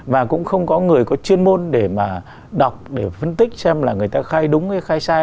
và cũng không có người có chuyên môn để mà đọc để phân tích xem là người ta khai đúng hay khai sai